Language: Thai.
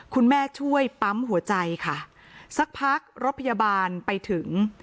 ช่วยปั๊มหัวใจค่ะสักพักรถพยาบาลไปถึง